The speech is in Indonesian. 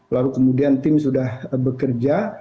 lalu kemudian tim sudah bekerja